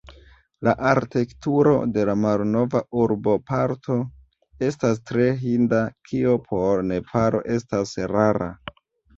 La arkitekturo de la malnova urboparto estas tre hinda, kio por Nepalo estas rara.